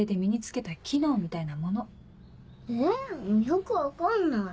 よく分かんない。